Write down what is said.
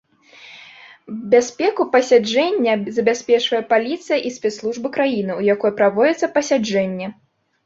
Бяспеку пасяджэння забяспечвае паліцыя і спецслужбы краіны, у якой праводзіцца пасяджэнне.